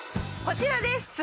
こちらです！